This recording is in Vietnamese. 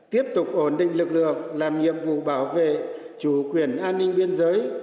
tiếp tục ổn định lực lượng làm nhiệm vụ bảo vệ chủ quyền an ninh biên giới